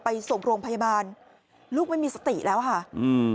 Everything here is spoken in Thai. ไปส่งโรงพยาบาลลูกไม่มีสติแล้วค่ะอืม